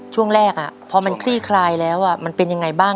ช่วงแรกพอมันคลี่คลายแล้วมันเป็นยังไงบ้าง